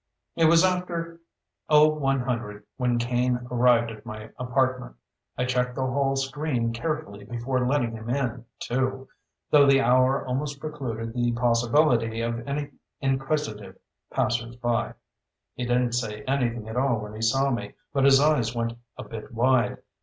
It was after oh one hundred when Kane arrived at my apartment. I checked the hall screen carefully before letting him in, too, though the hour almost precluded the possibility of any inquisitive passers by. He didn't say anything at all when he saw me, but his eyes went a bit wide.